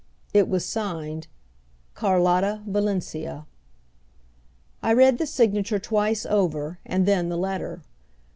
It was signed "Carlotta Valencia." I read the signature twice over, and then the letter.